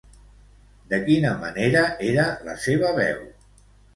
De quina manera era la seva veu?